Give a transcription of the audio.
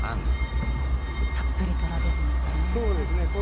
たっぷり取られるんですね。